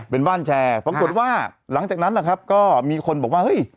เป็นบ้านแชร์ปรากฏว่าหลังจากนั้นนะครับก็มีคนบอกว่าเฮ้ย